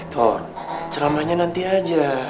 fiktor ceramahnya nanti aja